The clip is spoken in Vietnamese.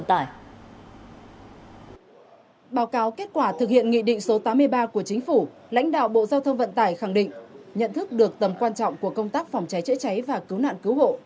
trước tầm quan trọng của công tác phòng cháy chữa cháy và cứu nạn cứu hộ